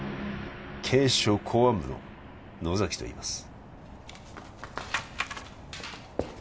警視庁公安部の野崎といいます